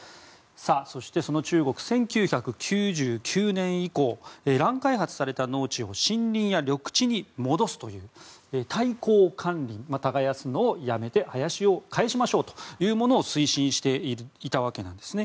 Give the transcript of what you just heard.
そしてその中国、１９９９年以降乱開発された農地を森林や緑地に戻すという退耕還林耕すのをやめて林を還しましょうということを推進していたわけです。